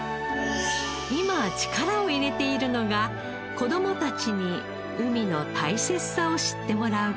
今力を入れているのが子供たちに海の大切さを知ってもらう事。